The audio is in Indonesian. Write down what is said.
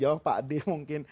oh pakde mungkin